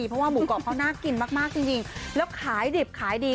เพราะว่าหมูกรอบเขาน่ากินมากจริงแล้วขายดิบขายดี